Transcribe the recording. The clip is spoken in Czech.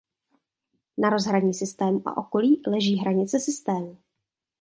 Na rozhraní systému a okolí leží hranice systému.